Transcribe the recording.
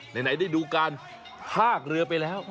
ไหนได้ดูการพากเรือไปแล้ว